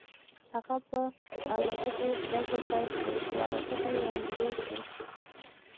هغه په الوتکو ډزې پیل کړې خو الوتکې رانږدې شوې